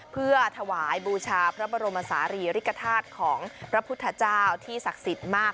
เพื่อถวายบูชาพระบรมศาลีริกฐาตุของพระพุทธเจ้าที่ศักดิ์สิทธิ์มาก